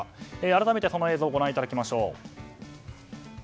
改めて、その映像ご覧いただきましょう。